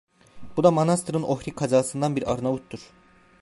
Bu da Manastır'ın Ohri kazasından bir Arnavut'tur.